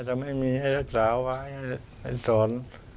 จะไม่มีให้รักษาไว้ให้สอน